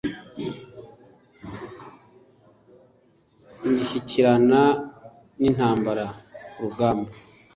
Ngishyikirana n' intambara kurugamba